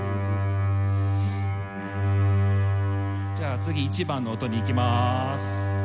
じゃあ次１番の音にいきまーす。